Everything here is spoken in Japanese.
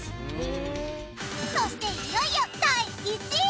そしていよいよ第１位。